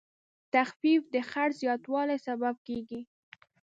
تخفیف د خرڅ زیاتوالی سبب کېږي.